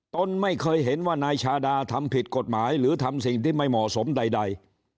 ตนไม่เคยเห็นว่านายชาดาทำผิดกฎหมายหรือทำสิ่งที่ไม่เหมาะสมใด